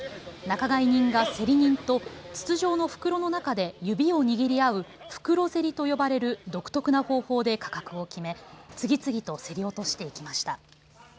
仲買人が競り人と筒状の袋の中で指を握り合う袋競りと呼ばれる独特な方法で価格を決め、次々と競り落としていきました。